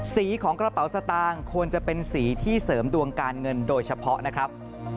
สีของกระเป๋าสตางค์ควรจะเป็นสีที่เสริมดวงการเงินโดยเฉพาะนะครับ